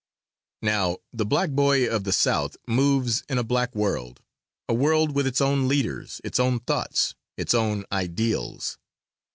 Now the black boy of the South moves in a black world a world with its own leaders, its own thoughts, its own ideals.